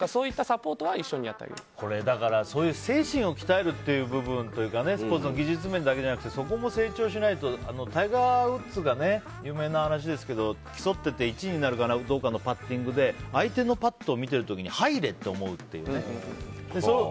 そういう精神を鍛えるという部分というかスポーツの技術面だけじゃなくてそこも成長しないとタイガー・ウッズが有名な話ですけど競っていて１位になるかどうかというパッティングで相手のパットを見ている時に入れ！って思うっていうね。